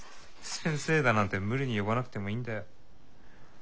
先生だなんて無理に呼ばなくてもいいんだよ。